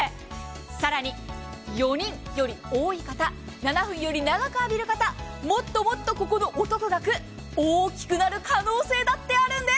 更に、４人より多い方、７分より長く浴びる方、もっともっとここのお得額、大きくなる可能性だってあるんです。